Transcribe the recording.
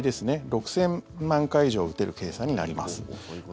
６０００万回以上打てる計算になります。